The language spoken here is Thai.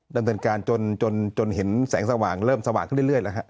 ดำเนินการจนเห็นแสงสว่างเริ่มสว่างขึ้นเรื่อยแล้วฮะ